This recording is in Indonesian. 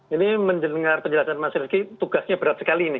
ini mendengar penjelasan mas rifki tugasnya berat sekali nih